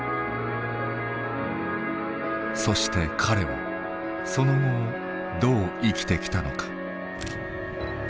そして彼はその後をどう生きてきたのか。